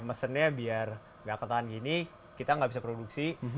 mesennya biar gak ketahan gini kita nggak bisa produksi